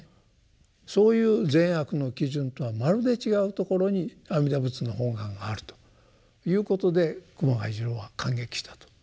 そういう善悪の基準とはまるで違うところに阿弥陀仏の本願があるということで熊谷次郎は感激したと。